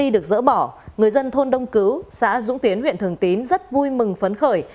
được dỡ bỏ người dân thôn đông cứu xã dũng tiến huyện thường tín rất vui mừng phấn khởi